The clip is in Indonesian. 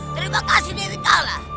terima kasih dewi kala